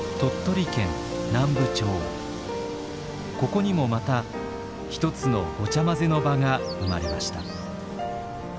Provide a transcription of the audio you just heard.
ここにもまた一つのごちゃまぜの場が生まれました。